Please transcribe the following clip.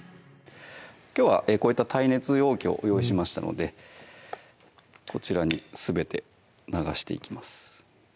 きょうはこういった耐熱容器を用意しましたのでこちらにすべて流していきます